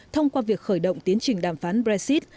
thông qua việc khởi động tiến trình đàm phán brexit